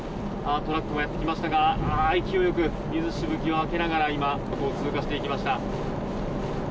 トラックがやってきましたが勢いよく水しぶきを当てながら今、通過していきました。